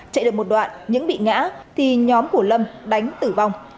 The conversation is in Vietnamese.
chạy được một đoạn nhưng bị ngã thì nhóm của lâm đánh tử vong